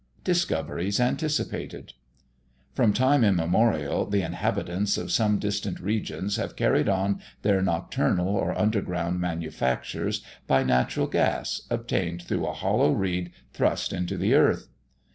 DISCOVERIES ANTICIPATED. From time immemorial, the inhabitants of some distant regions have carried on their nocturnal or underground manufactures by natural gas, obtained through a hollow reed thrust into the earth.